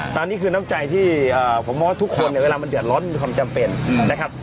ตอนนี้คือน้ำใจที่ผมมองว่าทุกคนเนี่ยเวลามันเดือดร้อนมีความจำเป็นนะครับ